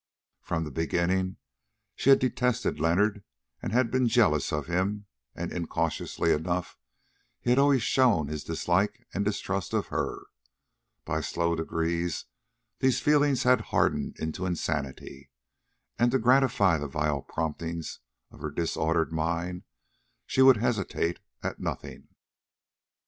From the beginning she had detested Leonard and been jealous of him, and incautiously enough he had always shown his dislike and distrust of her. By slow degrees these feelings had hardened into insanity, and to gratify the vile promptings of her disordered mind she would hesitate at nothing.